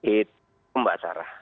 itu mbak sarah